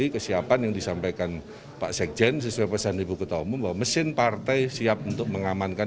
kesiapan yang disampaikan pak sekjen sesuai pesan ibu ketua umum bahwa mesin partai siap untuk mengamankan